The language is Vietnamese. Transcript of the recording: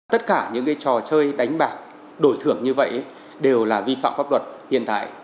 tất cả những trò chơi đánh bạc đổi thưởng như vậy đều là vi phạm pháp luật hiện tại